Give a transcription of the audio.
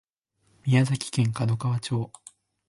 宮崎県門川町